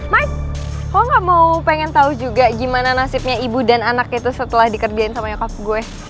maik lo gak mau pengen tau juga gimana nasibnya ibu dan anak itu setelah dikerjain sama nyokap gue